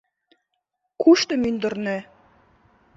— Кушто мӱндырнӧ?